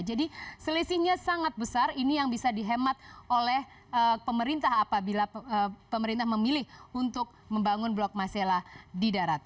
jadi selisihnya sangat besar ini yang bisa dihemat oleh pemerintah apabila pemerintah memilih untuk membangun blok masela di darat